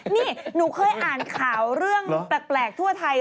นี่หนูเคยอ่านข่าวเรื่องแปลกทั่วไทย